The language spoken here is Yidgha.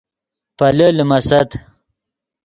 پیلے لیمیست